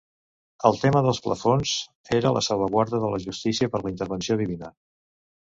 El tema dels plafons era la salvaguarda de la justícia per la intervenció divina.